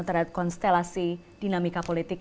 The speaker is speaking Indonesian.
terhadap konstelasi dinamika politik